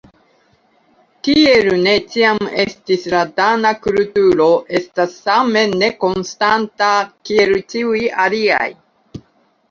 Tiel ne ĉiam estis – la Dana kulturo estas same nekonstanta kiel ĉiuj aliaj.